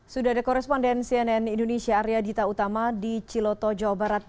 sudah ada koresponden cnn indonesia arya dita utama di ciloto jawa barat